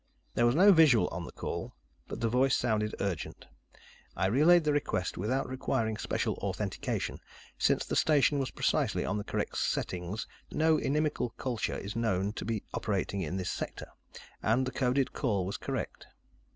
There was no visual on the call, but the voice sounded urgent. I relayed the request without requiring special authentication, since the station was precisely on the correct settings, no inimical culture is known to be operating in this sector, and the coded call was correct.